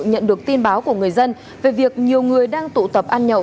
nhận được tin báo của người dân về việc nhiều người đang tụ tập ăn nhậu